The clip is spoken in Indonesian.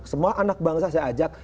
semua anak bangsa saya ajak